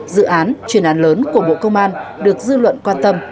dự án chuyên án lớn của bộ công an được dư luận quan tâm